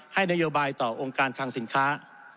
นโยบายต่อองค์การคังสินค้า